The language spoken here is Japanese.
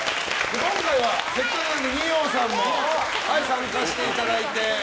せっかくなので二葉さんも参加していただいて。